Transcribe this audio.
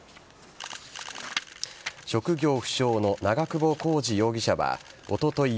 職業不詳の長久保浩二容疑者はおととい